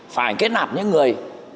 phải kết nạp những người